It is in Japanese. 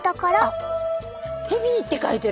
あっヘビーって書いてる。